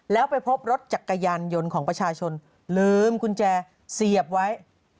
แล้วไปพบรถจักรยานยนต์ของประชาชนลืมกุญแจเสียบไว้